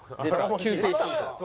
救世主。